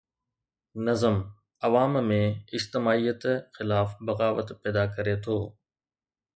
نظم عوام ۾ اجتماعيت خلاف بغاوت پيدا ڪري ٿو.